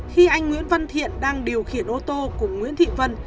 khi anh nguyễn văn thiện đang điều khiển ô tô của nguyễn thị vân